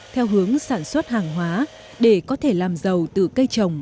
theo hướng sản xuất hàng hóa để có thể làm giàu từ cây trồng